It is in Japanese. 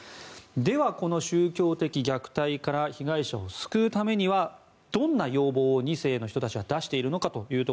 では、この宗教的虐待から被害者を救うためにはどんな要望を２世の人たちは出しているのか。